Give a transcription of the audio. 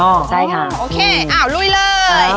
โอเคหาลุยเลย